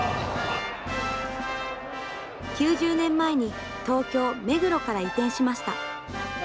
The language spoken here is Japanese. ９０年前に東京・目黒から移転しました。